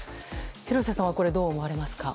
廣瀬さんはこれどう思われますか？